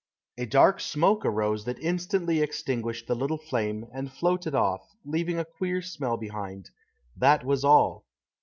A dark smoke arose that instantly extinguished the little flame, and floated off, leaving a queer smell behind. That was all.